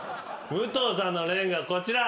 武藤さんのれんがこちら。